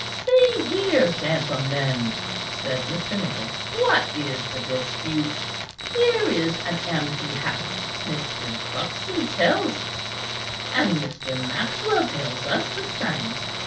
"See here, gentlemen," said Mr. Nichol, "what is the dispute? Here is an empty house, Mr. Buxton tells us; and Mr. Maxwell tells us the same.